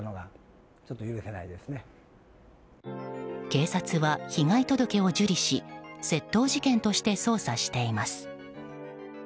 警察は被害届を受理し窃盗事件として捜査しています。